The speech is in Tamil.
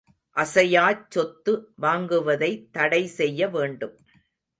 அசையாச் சொத்து வாங்குவதைத் தடை செய்ய வேண்டும்.